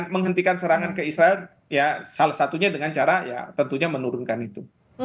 menghentikan serangan ke israel ya salah satunya dengan cara ya tentunya menurunkan itu